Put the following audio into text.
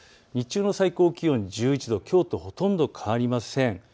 日中の最高気温、１１度、きょうとほとんど変わりません。